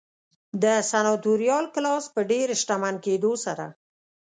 د سناتوریال کلاس په ډېر شتمن کېدو سره